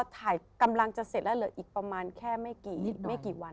กำลังจะเสร็จแล้วเหลืออีกประมาณแค่ไม่กี่วัน